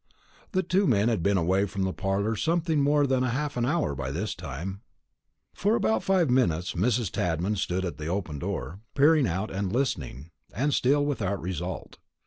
The two men had been away from the parlour something more than half an hour by this time. For about five minutes Mrs. Tadman stood at the open door, peering out and listening, and still without result.